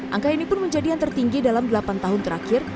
angka ini pun menjadi yang tertinggi dalam delapan tahun terakhir